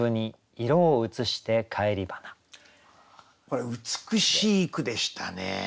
これ美しい句でしたね。